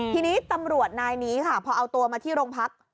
ทีนี้ตำรวจนายนี้ค่ะพอเอาตัวมาที่โรงพัก